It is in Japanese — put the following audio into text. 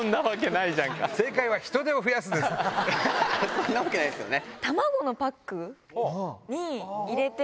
そんなわけないですよね。